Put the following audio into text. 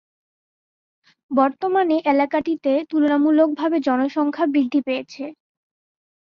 বর্তমানে এলাকাটিতে তুলনামূলকভাবে জনসংখ্যা বৃদ্ধি পেয়েছে।